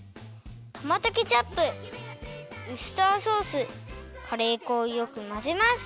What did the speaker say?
トマトケチャップウスターソースカレー粉をよくまぜます。